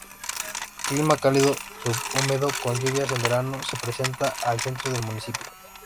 Clima cálido subhúmedo, con lluvias en verano, se presenta al centro del municipio.